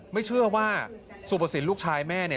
ไม่เชื่อว่าสุภสินลูกชายแม่เนี่ย